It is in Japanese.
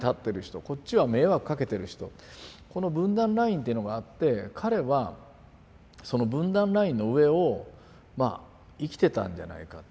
この分断ラインっていうのがあって彼はその分断ラインの上をまあ生きてたんじゃないか。